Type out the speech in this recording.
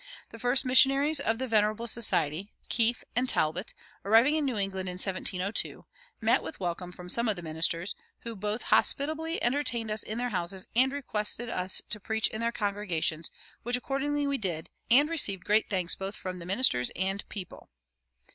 The first missionaries of the "Venerable Society," Keith and Talbot, arriving in New England in 1702, met with welcome from some of the ministers, who "both hospitably entertained us in their houses and requested us to preach in their congregations, which accordingly we did, and received great thanks both from the ministers and people."